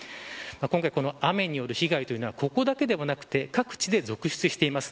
今回、この雨による被害はここだけではなくて各地で続出しています。